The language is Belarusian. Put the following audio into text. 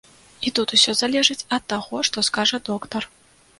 І тут усё залежыць ад таго, што скажа доктар.